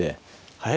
はい。